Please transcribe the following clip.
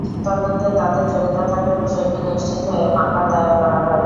তদন্তে তাঁদের জড়িত থাকার বিষয়টি নিশ্চিত হয়ে মামলা দায়ের করা হয়।